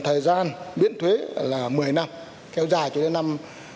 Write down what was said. thời gian miễn thuế là một mươi năm kéo dài cho đến năm hai nghìn ba mươi